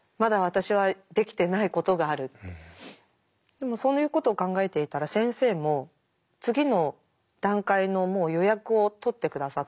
でもそういうことを考えていたら先生も次の段階のもう予約を取って下さったんですね。